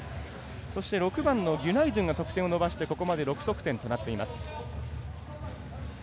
６番のギュナイドゥンが得点を伸ばしてここまで６得点となっています。